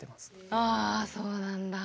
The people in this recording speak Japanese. あそうなんだ。